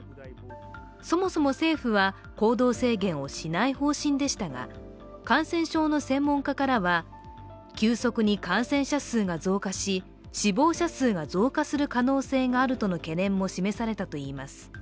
そもそも政府は、行動制限をしない方針でしたが、感染症の専門家からは急速に感染者数が増加し死亡者数が増加する可能性があるとの懸念も示されたといいます。